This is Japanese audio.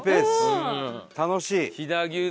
楽しい。